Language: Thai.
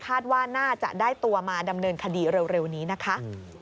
ว่าน่าจะได้ตัวมาดำเนินคดีเร็วนี้นะคะ